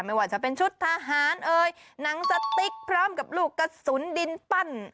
ไม่ว่าจะเป็นชุดทหารเอ่ยหนังสติ๊กพร้อมกับลูกกระสุนดินปั้น